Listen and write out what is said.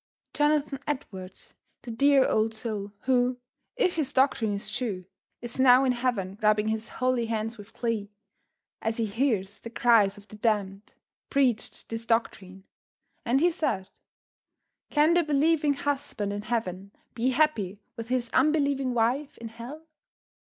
Jonathan Edwards, the dear old soul, who, if his doctrine is true, is now in heaven rubbing his holy hands with glee, as he hears the cries of the damned, preached this doctrine; and he said: "Can the believing husband in heaven be happy with his unbelieving wife in hell?